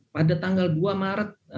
pada tanggal dua maret